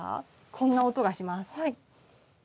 こんな音がします。